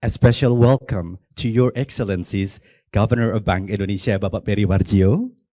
selamat datang di bank indonesia cekora bapak periwarjo